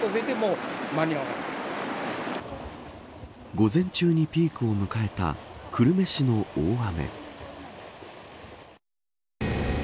午前中にピークを迎えた久留米市の大雨。